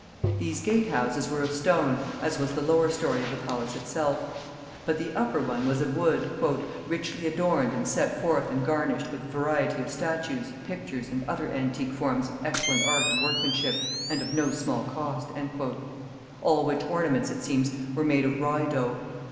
These gatehouses were of stone, as was the lower story of the palace itself; but the upper one was of wood, "richly adorned and set forth and garnished with variety of statues, pictures, and other antic forms of excellent art and workmanship, and of no small cost:" all which ornaments, it seems, were made of rye dough.